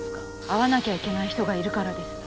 会わなきゃいけない人がいるからです。